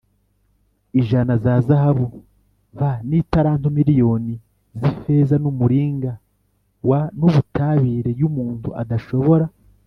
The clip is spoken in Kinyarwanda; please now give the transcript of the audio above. ijana za zahabu v n italanto miriyoni z ifeza n umuringa w n ubutare y umuntu adashobora